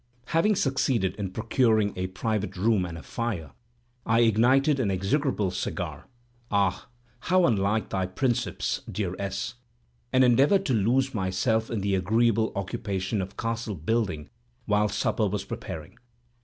Having succeeded in procuring a private room and a fire, I ignited an execrable cigar, (ah, how unlike thy principes, dear S.,) and endeavored to lose myself in the agreeable occupation of castle building while supper was preparing.